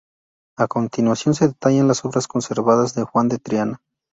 A continuación se detallan las obras conservadas de Juan de Triana.